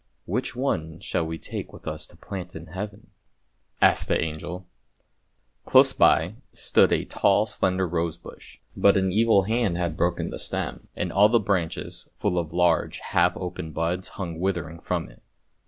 " Which one shall we take with us to plant in Heaven? " asked the angel. Close by stood a tall slender rose bush, but an evil hand had broken the stem and all the branches full of large half open buds hung withering from it.